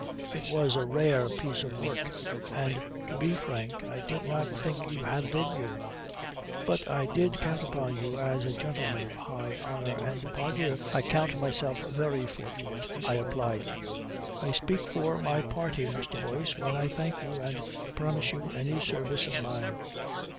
It was a rare piece of work, and to be frank, I did not think you had it in you. But I did count upon you as a gentleman of high honour, and, pardieu, I count myself very fortunate I applied to you. I speak for my party, Mr. Boyce, when I thank you and promise you any service of mine."